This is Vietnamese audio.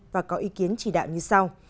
và có ý kiến chỉ đạo như sau